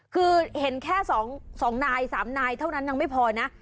คือเห็นแค่๒นาย๓นายเท่านั้นยังไม่พอนะ